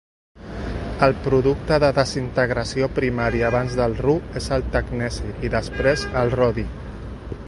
El producte de desintegració primari abans del Ru és el tecneci i després, el rodi.